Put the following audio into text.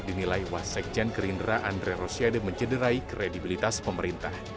dinilai wassekjen kerindera andré rosiade mencederai kredibilitas pemerintah